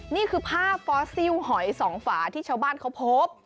นี่คือภาพฟอสซิลหอยสองฝาที่ชาวบ้านเขาพบ